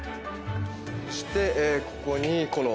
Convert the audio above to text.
そしてここにこの特製の。